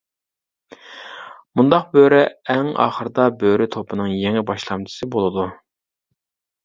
مۇنداق بۆرە ئەڭ ئاخىرىدا بۆرە توپىنىڭ يېڭى باشلامچىسى بولىدۇ.